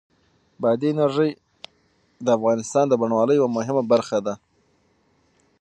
بادي انرژي د افغانستان د بڼوالۍ یوه مهمه برخه ده.Shutterstock